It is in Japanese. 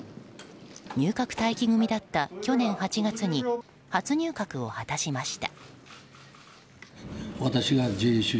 入閣待機組だった去年８月に初入閣を果たしました。